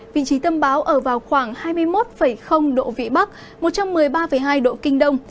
vị trí tâm bão ở vào khoảng hai mươi một độ vị bắc một trăm một mươi ba hai độ kinh đông